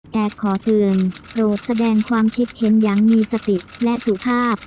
แต่ขอเตือนโปรดแสดงความคิดเห็นอย่างมีสติและสุภาพ